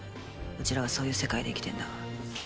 うちらはそういう世界で生きてんだわ。